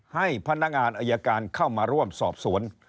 ให้พนักงานอายการเข้ามาร่วมสอบสวน